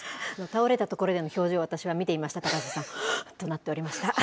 倒れたところでの表情、私は見ていましたよ、高瀬さん、はーっとなっておりました。